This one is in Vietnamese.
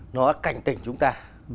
nó cảnh tỉnh chúng ta